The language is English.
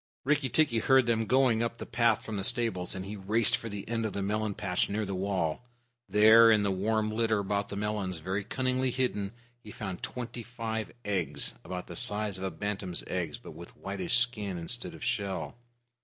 Rikki tikki heard them going up the path from the stables, and he raced for the end of the melon patch near the wall. There, in the warm litter above the melons, very cunningly hidden, he found twenty five eggs, about the size of a bantam's eggs, but with whitish skin instead of shell.